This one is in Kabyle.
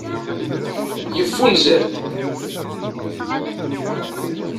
Yeffunzer-d.